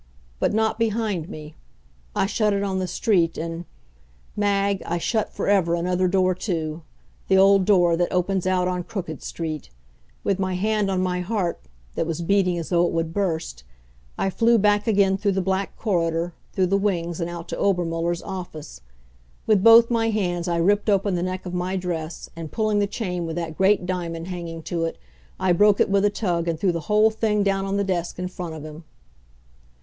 But not behind me. I shut it on the street and Mag, I shut for ever another door, too; the old door that opens out on Crooked Street. With my hand on my heart, that was beating as though it would burst, I flew back again through the black corridor, through the wings and out to Obermuller's office. With both my hands I ripped open the neck of my dress, and, pulling the chain with that great diamond hanging to it, I broke it with a tug, and threw the whole thing down on the desk in front of him.